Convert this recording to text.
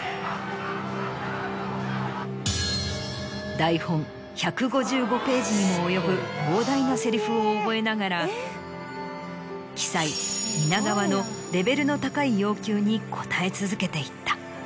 台本１５５ページにも及ぶ膨大なセリフを覚えながら鬼才蜷川のレベルの高い要求に応え続けていった。